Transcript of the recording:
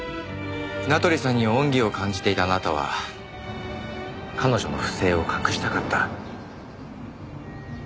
名取さんに恩義を感じていたあなたは彼女の不正を隠したかった。